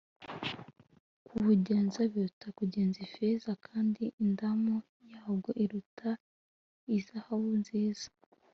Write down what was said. kubugenza biruta kugenza ifeza kandi indamu yabwo iruta iy'izahabu nziza